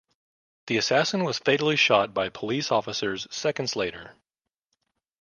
The assassin was fatally shot by police officers seconds later.